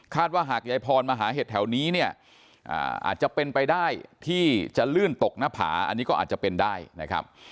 ว่าหากยายพรมาหาเห็ดแถวนี้เนี่ยอาจจะเป็นไปได้ที่จะลื่นตกหน้าผาอันนี้ก็อาจจะเป็นได้นะครับ